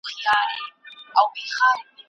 آیا ته پوهېږې چې د زردالو مېوه کله پخېږي؟